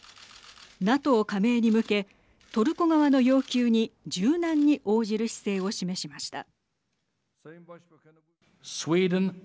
ＮＡＴＯ加盟に向けトルコ側の要求に柔軟に応じる姿勢を示しました。